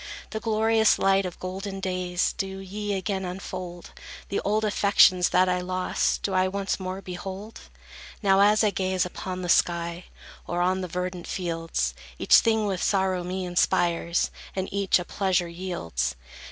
The glorious light of golden days Do ye again unfold? The old affections that I lost, Do I once more behold? Now, as I gaze upon the sky, Or on the verdant fields, Each thing with sorrow me inspires, And each a pleasure yields.